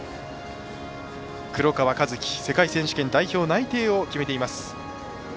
黒川和樹、世界選手権代表内定を決めています。